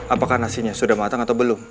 apakah nasinya sudah matang atau belum